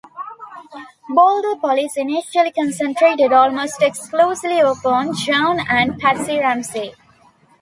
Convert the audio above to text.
Boulder police initially concentrated almost exclusively upon John and Patsy Ramsey.